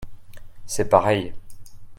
C'est pareil.